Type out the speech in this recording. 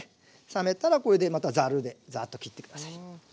冷めたらこれでまたざるでザーッときって下さい。